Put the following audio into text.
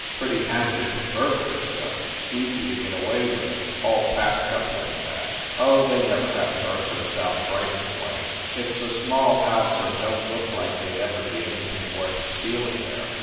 "Pretty handy for burglars, though. Easy to get away with. All packed up like that." "Oh, they never have burglars out Brighton way. It s a small house and don t look like they d ever be anything worth stealing there."